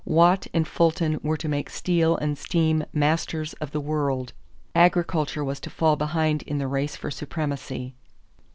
Watt and Fulton were to make steel and steam masters of the world. Agriculture was to fall behind in the race for supremacy.